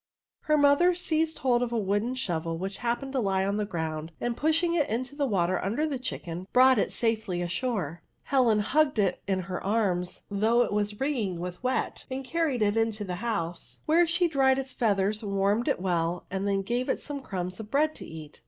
Her mother seized hold of a wooden shorel which happened to lie on the ground, and pushing it into the water under the chicken, brought it safely ashore. Helen hugged it in her arms, though it was wringing with wet, and carried it into the house, where she dried its feathers, wanned it well, and then gave it some crumbs of bread to eat.